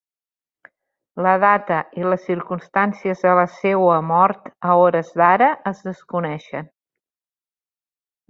La data i les circumstàncies de la seua mort a hores d'ara es desconeixen.